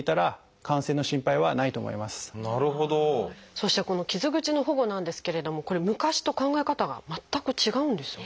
そしてこの「傷口の保護」なんですけれどもこれ昔と考え方が全く違うんですよね。